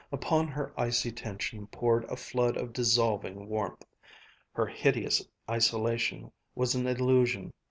Upon her icy tension poured a flood of dissolving warmth. Her hideous isolation was an illusion.